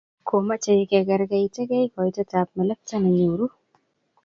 Komochei kekerkeitkei koitetab melekto ne nyoru